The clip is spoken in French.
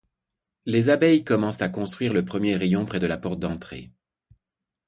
Les abeilles commencent à construire le premier rayon près de la porte d’entrée.